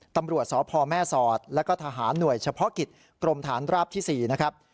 ตำรวจสพแม่สอดแล้วก็ทหารหน่วยเฉพาะกิจกรมฐานราบที่๔นะครับ